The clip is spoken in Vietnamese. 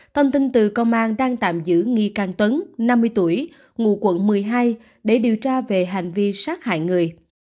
thông tin từ công an đang tạm giữ nghi can tuấn năm mươi tuổi ngụ quận một mươi hai để điều tra về hành vi sát hại người